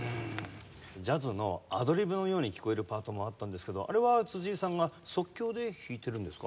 ジャズのアドリブのように聴こえるパートもあったんですけどあれは辻井さんが即興で弾いてるんですか？